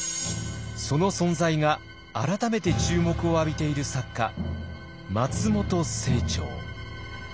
その存在が改めて注目を浴びている作家松本清張。